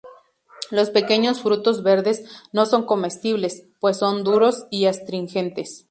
Los pequeños frutos verdes no son comestibles, pues son duros y astringentes.